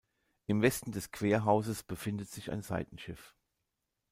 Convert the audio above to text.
Im Westen des Querhauses befindet sich ein Seitenschiff.